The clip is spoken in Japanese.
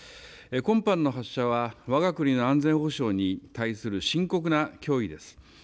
今般の発射は、わが国の安全保障に対する深刻な脅威です。